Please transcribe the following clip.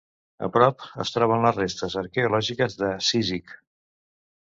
A prop es troben les restes arqueològiques de Cízic.